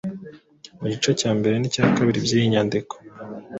Mu gice cya mbere n’icya kabiri by’iyi nyandiko,